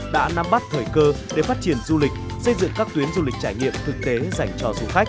đã nắm bắt thời cơ để phát triển du lịch xây dựng các tuyến du lịch trải nghiệm thực tế dành cho du khách